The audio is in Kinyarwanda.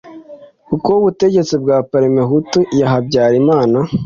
kuko ubutegetsi bwa PARMEHUTU ya Habyarimana